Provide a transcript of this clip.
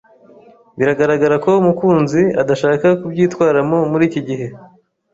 Biragaragara ko Mukunzi adashaka kubyitwaramo muri iki gihe.